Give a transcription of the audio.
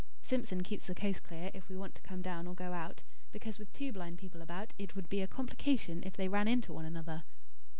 Simpson keeps the coast clear if we want to come down or go out; because with two blind people about, it would be a complication if they ran into one another.